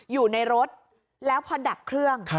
อยู่ในรถแล้วพอดับเครื่อง